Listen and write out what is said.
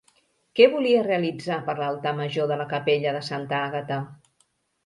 Què volia realitzar per l'altar major de la capella de Santa Àgata?